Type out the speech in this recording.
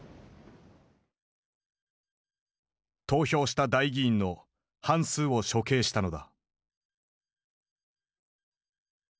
投票した代議員の半数を処刑したのだ。